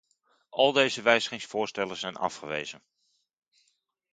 Al deze wijzigingsvoorstellen zijn afgewezen.